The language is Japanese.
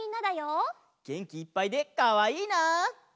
げんきいっぱいでかわいいな！